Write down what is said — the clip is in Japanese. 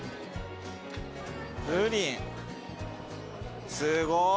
プリンすごい。